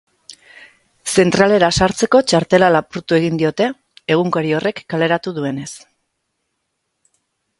Zentralera sartzeko txartela lapurtu egin diote, egunkari horrek kaleratu duenez.